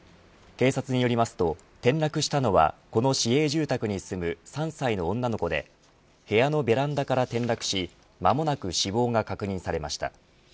警察によりますと転落したのはこの市営住宅に住む３歳の女の子で部屋のベランダから転落し間もなく死亡が確認されました。